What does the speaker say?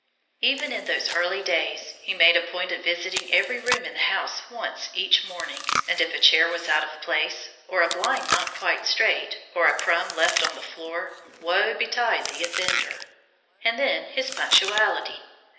Even in those early days, he made a point of visiting every room in the house once each morning, and if a chair was out of its place, or a blind not quite straight, or a crumb left on the floor, woe betide the offender. And then his punctuality!